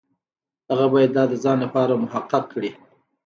هغه باید دا د ځان لپاره محقق کړي.